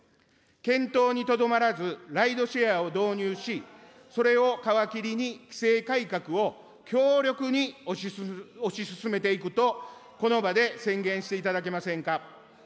検討にとどまらず、ライドシェアを導入し、それを皮切りに、規制改革を強力に推し進めていくとこの場で宣言していただけませんか。